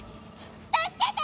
助けて！